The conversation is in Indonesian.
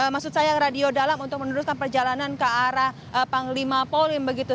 maksud saya radio dalam untuk meneruskan perjalanan ke arah panglima polim begitu